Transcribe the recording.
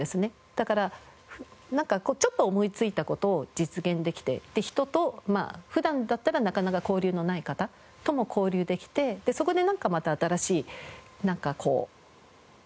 だからなんかちょっと思いついた事を実現できて人と普段だったらなかなか交流のない方とも交流できてそこでまた新しいなんか文化がね生まれて。